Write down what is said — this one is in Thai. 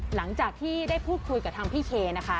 หลังจากที่ได้พูดคุยกับทางพี่เคนะคะ